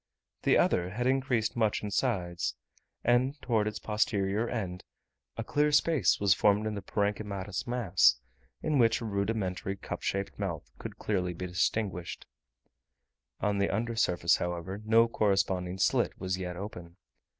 The other had increased much in size; and towards its posterior end, a clear space was formed in the parenchymatous mass, in which a rudimentary cup shaped mouth could clearly be distinguished; on the under surface, however, no corresponding slit was yet open.